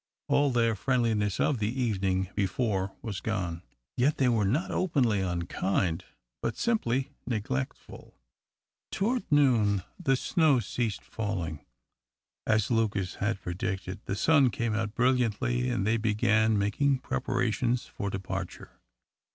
All their friendliness of the evening before was gone, yet they were not openly unkind, but simply neglectful. Toward noon the snow ceased falling, as Lucas had predicted, the sun came out brilliantly, and they began making preparations for departure.